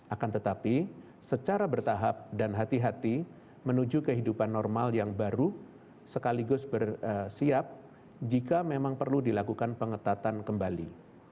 akan tetapi secara bertahap dan hati hati menuju kehidupan normal yang baru sekaligus bersiap jika memang perlu dilakukan pengetatan kembali